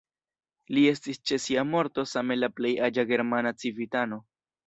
Li estis ĉe sia morto same la plej aĝa germana civitano.